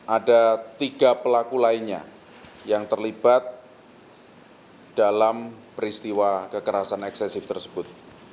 ada tiga pelaku lainnya yang terlibat dalam peristiwa kekerasan eksesif tersebut